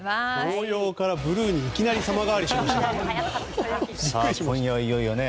紅葉からブルーにいきなり様変わりしましたね。